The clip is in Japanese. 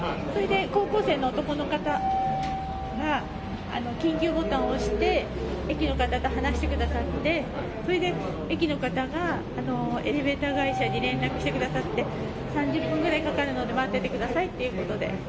高校生の男の方が緊急ボタンを押して駅の方と話してくださって駅の方がエレベーター会社に連絡してくださって３０分くらいかかるので待っていてくださいということで。